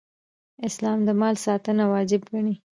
اسلام د مال ساتنه واجب ګڼي